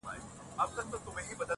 • شرم پر حقيقت غالب کيږي تل,